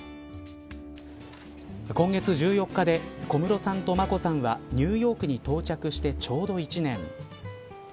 今月１４日で小室さんと眞子さんはニューヨークに到着してちょうど１年。